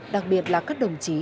đặc biệt là các đồng chí